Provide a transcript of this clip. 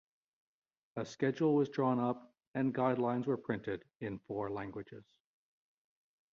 A schedule was drawn up, and guidelines were printed in four languages.